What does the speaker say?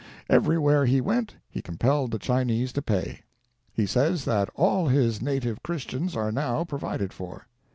Everywhere he went he compelled the Chinese to pay. He says that all his native Christians are now provided for.